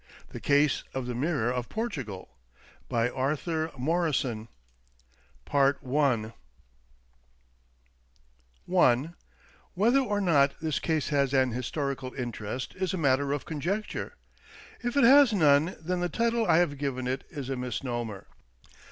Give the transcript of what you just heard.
THE CASE OF THE " MIBEOB OF POETUGAL " Ill Ube Case of tbe '^/iDiiTor ot Portugal" Whethee or not this case has an historical interest is a matter of conjecture. If it has none, then the title I have given it is a misnomer.